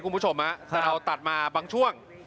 คุณผู้ชมแต่เราตัดมาบางช่วง